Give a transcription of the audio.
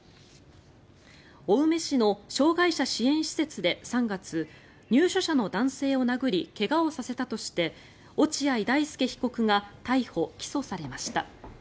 青梅市の障害者支援施設で３月入所者の男性を殴り怪我をさせたとして落合大丞被告が逮捕・起訴されました。